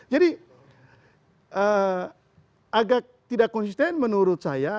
jadi agak tidak konsisten menurut saya